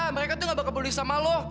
mereka tuh gak bakal beli sama lu